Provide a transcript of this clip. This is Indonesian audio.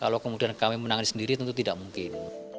kalau kemudian kami menangani sendiri tentu tidak mungkin